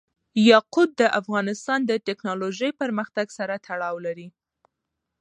یاقوت د افغانستان د تکنالوژۍ پرمختګ سره تړاو لري.